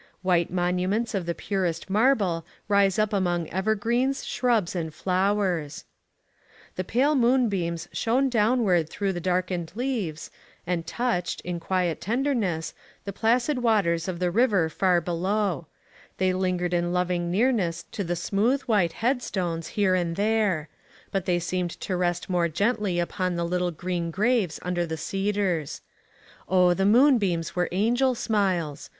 White monuments of the purest marble rise up among evergreens, shrubs, and flowers ! The pale moonbeams shone downward through the darkened leaves, and touched, in quiet tenderness, the placid waters of the river far below ; they lingered in loving nearness to the smooth white head stones, here 166 VISIT TO KENTUCKY. and there ; but they seemed to rest more gently upon the little green graves under the cedars. Oh, the moon beams were angel smiles!